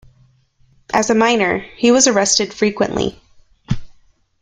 As a minor, he was arrested frequently.